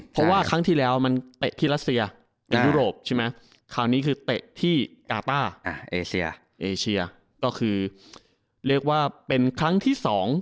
เพราะว่าครั้งแรกก็คือปี๒๐๐๒